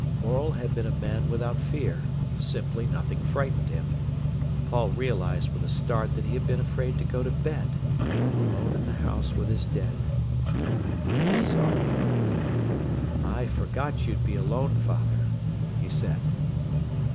Morel had been a man without fear—simply nothing frightened him. Paul realised with a start that he had been afraid to go to bed, alone in the house with his dead. He was sorry. "I forgot you'd be alone, father," he said.